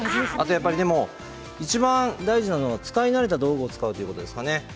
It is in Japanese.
いちばん大事なのは使い慣れた道具を使うということですね。